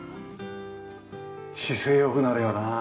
姿勢良くなるよなあ。